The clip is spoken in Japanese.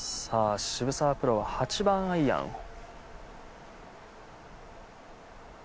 さあ澁澤プロは８番アイアン。